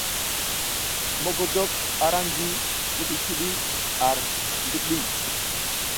Mogodok a ra ndi mikudikudi ar zlirɗi.